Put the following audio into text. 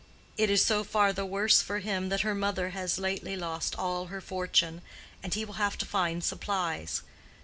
It is so far the worse for him that her mother has lately lost all her fortune, and he will have to find supplies.